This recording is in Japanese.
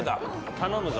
頼むぞ。